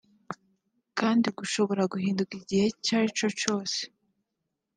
kandi gushobora guhinduka igihe icarico cose